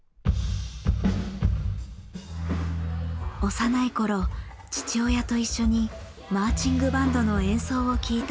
幼いころ父親と一緒にマーチングバンドの演奏を聴いたホール。